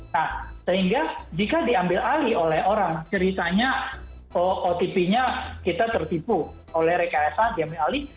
nah sehingga jika diambil alih oleh orang ceritanya otp nya kita tertipu oleh rekayasa diambil alih